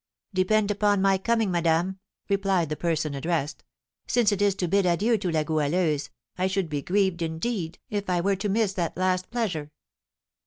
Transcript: "Depend upon my coming, madame," replied the person addressed. "Since it is to bid adieu to La Goualeuse, I should be grieved, indeed, if I were to miss that last pleasure."